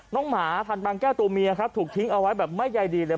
หมาพันบางแก้วตัวเมียครับถูกทิ้งเอาไว้แบบไม่ใยดีเลย